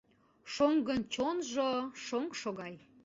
Шоҥгын чонжо — шоҥшо гай.